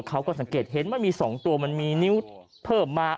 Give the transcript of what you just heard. เขาก็สังเกตเห็นมันมี๒ตัวมันมีนิ้วเพิ่มมา